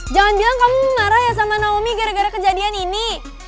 jangan bilang kamu marah ya sama naomi gara gara kejadian ini